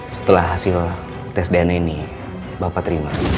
setelah hasil tes dna ini bapak terima